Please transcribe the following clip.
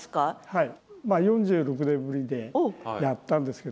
はい。